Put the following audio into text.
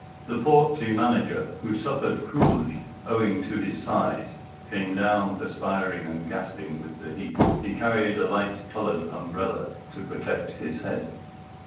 The portly Manager, who suffered cruelly owing to his size, came down perspiring and gasping with the heat. He carried a light coloured umbrella to protect his head.